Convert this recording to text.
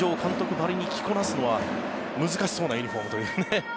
ばりに着こなすのは難しそうなユニホームというか。